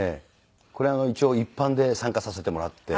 これ一応一般で参加させてもらって。